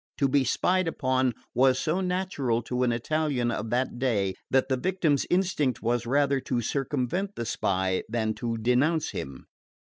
To be spied on was so natural to an Italian of that day that the victim's instinct was rather to circumvent the spy than to denounce him.